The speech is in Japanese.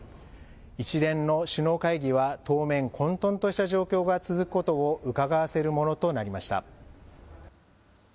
一連の首脳会議は当面、混とんとした状況が続くことをうかがわせるものとなりました。